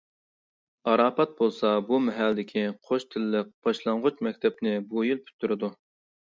ئاراپات بولسا بۇ مەھەللىدىكى «قوش تىللىق» باشلانغۇچ مەكتەپنى بۇ يىل پۈتتۈرىدۇ.